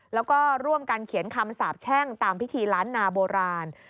แล้วก็ร่วมกันเขียนคำสาบแช่งตามพิธีล้านนาโบราณ